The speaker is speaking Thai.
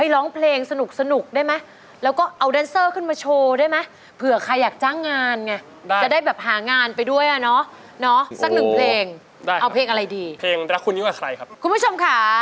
รู้สนุกกันได้นะครับผม